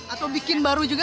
atau bikin baru juga